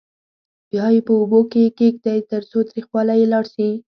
بیا یې په اوبو کې کېږدئ ترڅو تریخوالی یې لاړ شي.